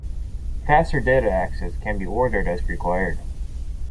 Faster data access can be ordered as required.